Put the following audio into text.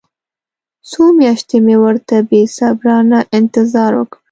څو میاشتې مې ورته بې صبرانه انتظار وکړ.